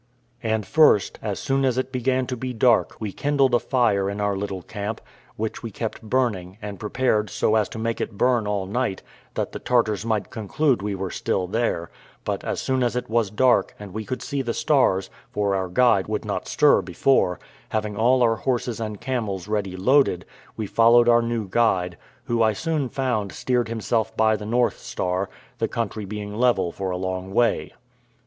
And first, as soon as it began to be dark, we kindled a fire in our little camp, which we kept burning, and prepared so as to make it burn all night, that the Tartars might conclude we were still there; but as soon as it was dark, and we could see the stars (for our guide would not stir before), having all our horses and camels ready loaded, we followed our new guide, who I soon found steered himself by the north star, the country being level for a long way.